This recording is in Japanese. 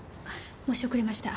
申し遅れました。